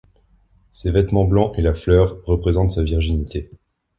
Ses vêtements blancs et la fleur représentent sa virginité.